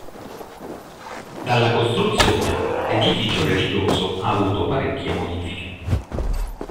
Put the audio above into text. Dalla costruzione, l'edificio religioso ha avuto parecchie modifiche.